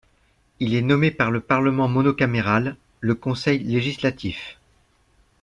Il est nommé par le parlement monocaméral, le Conseil législatif.